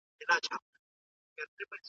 د غریبو خلګو ږغ تل تر چارواکو پوري نه رسیږي.